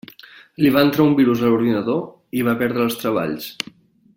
Li va entrar un virus a l'ordinador i va perdre els treballs.